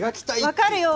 分かるよ。